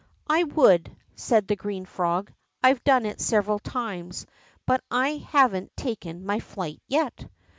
' I would/ said the green frog, ^ I've done it several times, hut I haven't taken my flight yet.